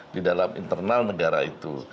di dalam internal negara itu